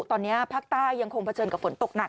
ตอนนี้ภาคใต้ยังคงเผชิญกับฝนตกหนัก